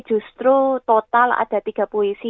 justru total ada tiga puisi